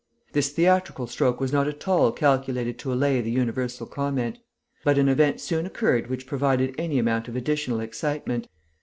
This theatrical stroke was not at all calculated to allay the universal comment. But an event soon occurred which provided any amount of additional excitement.